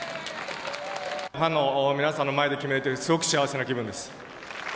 ファンの皆さんの前で決められて、すごく幸せな気分です。